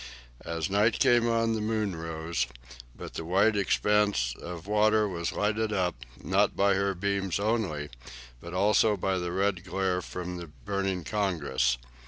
As night came on the moon rose, but the wide expanse of water was lighted up, not by her beams only, but also by the red glare from the burning "Congress."